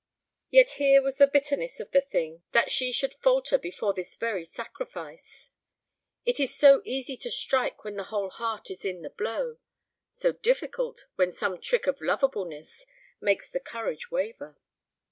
Yet here was the bitterness of the thing that she should falter before this very sacrifice. It is so easy to strike when the whole heart is in the blow; so difficult when some trick of lovableness makes the courage waver.